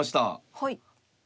はい。